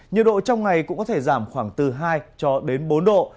nhiệt độ trong ngày cũng có thể giảm khoảng từ hai cho đến bốn độ